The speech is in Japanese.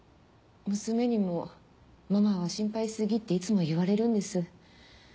娘にもママは心配しすぎっていつも言われるんです。